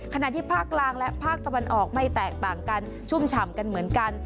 ขณะที่ภาคกลางและภาคตะวันออกไม่แตกต่างกันชุ่มฉ่ำกันเหมือนกัน